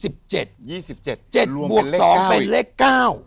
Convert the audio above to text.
๗บวก๒เป็นเลข๙